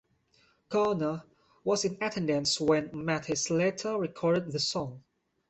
Garner was in attendance when Mathis later recorded the song.